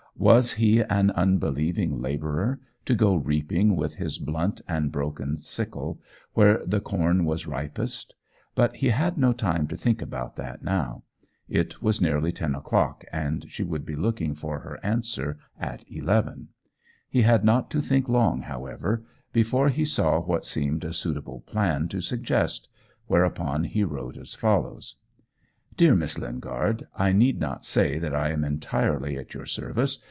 Was he, an unbelieving labourer, to go reaping with his blunt and broken sickle where the corn was ripest! But he had no time to think about that now. It was nearly ten o'clock, and she would be looking for her answer at eleven. He had not to think long, however, before he saw what seemed a suitable plan to suggest; whereupon he wrote as follows: "Dear Miss Lingard, I need not say that I am entirely at your service.